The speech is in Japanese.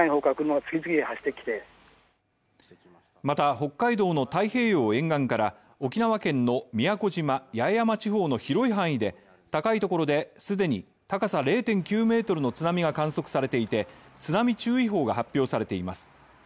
また北海道の太平洋沿岸から、沖縄県の宮古島・八重山地方の広い範囲で高いところで既に高さ０．９ｍの津波が観測されていて、津波注意報が発表されています。